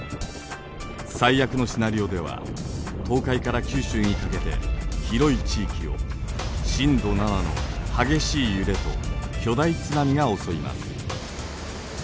最悪のシナリオでは東海から九州にかけて広い地域を震度７の激しい揺れと巨大津波が襲います。